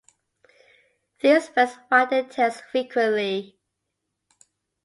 These birds wag their tails frequently.